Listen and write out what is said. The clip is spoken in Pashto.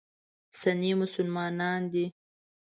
سني مسلمانان دي.